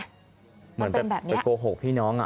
มันเป็นแบบนี้เออมันเป็นแบบนี้ไปโกหกพี่น้อง